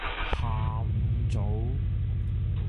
下五組